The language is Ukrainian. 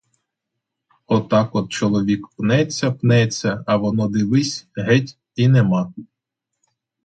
Отак от чоловік пнеться, пнеться, а воно дивись: геть — і нема!